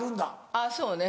あぁそうね。